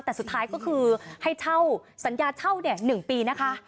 แต่สุดท้ายก็คือให้เช่าสัญญาเช่าเนี่ยหนึ่งปีนะคะ